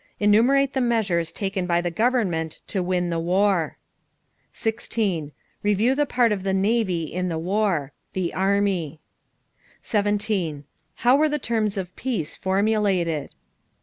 Enumerate the measures taken by the government to win the war. 16. Review the part of the navy in the war. The army. 17. How were the terms of peace formulated?